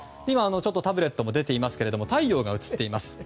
タブレットも出ていますが太陽が写っています。